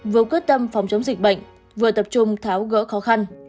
vừa quyết tâm phòng chống dịch bệnh vừa tập trung tháo gỡ khó khăn